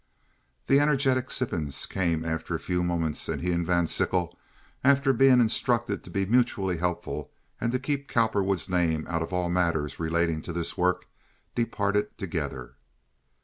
The energetic Sippens came after a few moments, and he and Van Sickle, after being instructed to be mutually helpful and to keep Cowperwood's name out of all matters relating to this work, departed together.